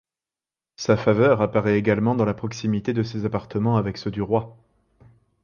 Sa faveur apparaît également dans la proximité de ses appartements avec ceux du roi.